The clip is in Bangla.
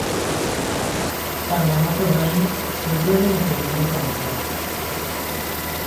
তার মামাতো ভাই ফেব্রুয়ারি মাসে জন্মগ্রহণ করে।